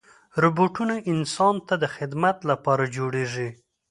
روبوټونه انسان ته د خدمت لپاره جوړېږي.